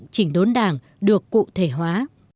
chỉnh đốn đảng được cụ thể hóa